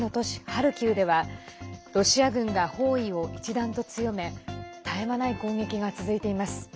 ハルキウではロシア軍が包囲を一段と強め絶え間ない攻撃が続いています。